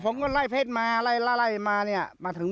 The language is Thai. ผ่อนเธอบอกว่าเดินหายมา๖โมง